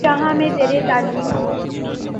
جہاں میں زیرتعلیم ہوں